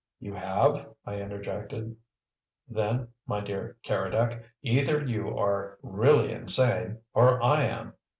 "You have?" I interjected. "Then, my dear Keredec, either you are really insane or I am!